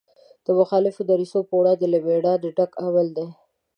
د مخالفو دریځونو په وړاندې له مېړانې ډک عمل دی.